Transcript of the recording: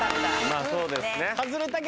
まあそうですね。